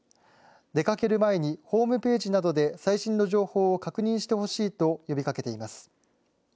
出かける前にホームページなどで最新の情報を確認してほしいと呼びかけています。